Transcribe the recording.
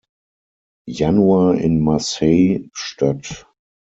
Januar in Marseille statt.